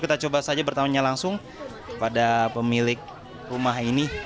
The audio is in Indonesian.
kita coba saja bertanya langsung pada pemilik rumah ini